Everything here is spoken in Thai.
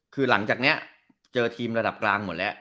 คือหลังจากนี้เจอทีมระดับกลางหมดแล้ว